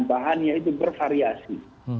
bahannya itu bervariasi